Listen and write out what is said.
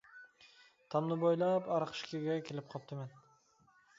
تامنى بويلاپ ئارقا ئىشىكىگە كېلىپ قاپتىمەن.